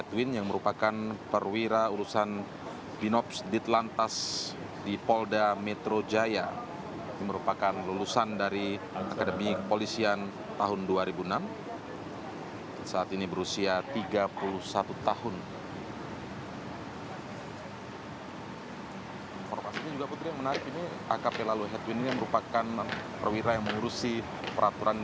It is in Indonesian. dari sma enam puluh tujuh jakarta timur